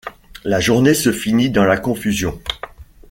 La journée se finit dans la confusion.